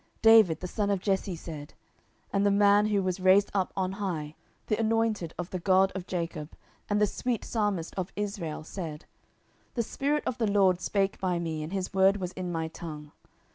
David the son of Jesse said, and the man who was raised up on high, the anointed of the God of Jacob, and the sweet psalmist of Israel, said, 10:023:002 The Spirit of the LORD spake by me, and his word was in my tongue.